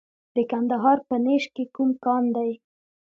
د کندهار په نیش کې کوم کان دی؟